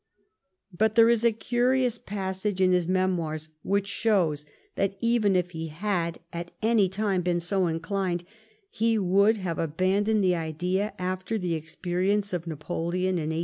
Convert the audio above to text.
But there is a curious passage in his memoirs which shows that even if he had, at any time, been so inclined, he would have abandoned the idea after the experience of Napoleon in 1815.